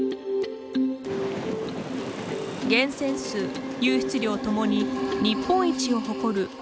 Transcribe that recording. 源泉数湧出量ともに日本一を誇る大分県別府市。